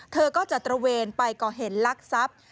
เธอก็จะตระเวนไปก่อเหตุลักษัพ